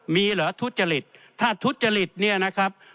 มีเหรอทุบจฤษฐ์ถ้าทุบจฤษฐนี่นะครับ